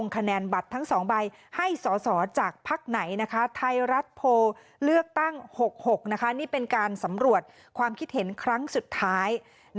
กับไทยรัดโภว์ในช่วงโค้งสุดท้าย